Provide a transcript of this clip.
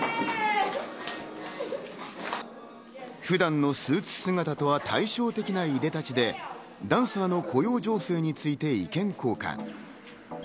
普段のスーツ姿とは対照的ないでたちで、ダンサーの雇用調整について意見交換。